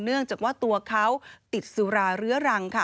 เนื่องจากว่าตัวเขาติดสุราเรื้อรังค่ะ